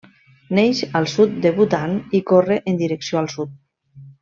Neix al sud de Bhutan i corre en direcció al sud.